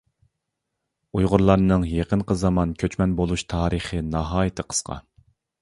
ئۇيغۇرلارنىڭ يېقىنقى زامان كۆچمەن بولۇش تارىخ ناھايىتى قىسقا.